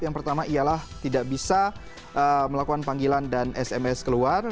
yang pertama ialah tidak bisa melakukan panggilan dan sms keluar